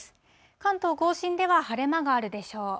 関東甲信では晴れ間があるでしょう。